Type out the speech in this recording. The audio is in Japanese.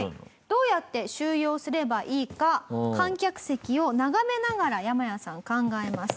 どうやって収容すればいいか観客席を眺めながらヤマヤさん考えます。